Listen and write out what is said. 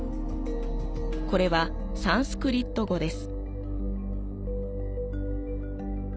これはサンスクリット語です。